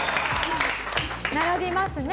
並びますね。